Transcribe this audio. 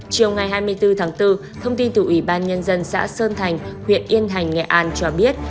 chiều ngày hai mươi bốn tháng bốn thông tin từ ủy ban nhân dân xã sơn thành huyện yên thành nghệ an cho biết